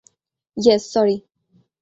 Yes, sorry!